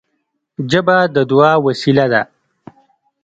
ژبه د دعا وسیله ده